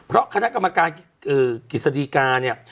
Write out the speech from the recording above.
เพราะคณะกรรมการกฤษฎีกาเนี่ย